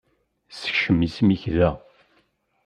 Sekcem isem-ik da.